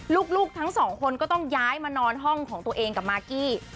ลูกทั้งสองคนก็ต้องย้ายมานอนห้องของตัวเองกับมากกี้